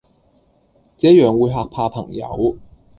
這樣會嚇怕朋友